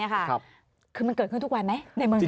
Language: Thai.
คือมันเกิดขึ้นทุกวันไหมในเมืองไทย